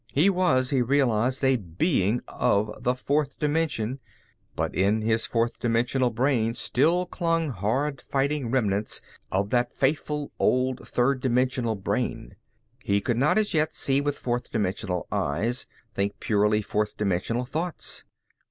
He was, he realized, a being of the fourth dimension, but in his fourth dimensional brain still clung hard fighting remnants of that faithful old third dimensional brain. He could not, as yet, see with fourth dimensional eyes, think purely fourth dimensional thoughts.